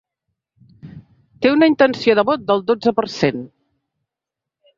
Té una intenció de vot del dotze per cent.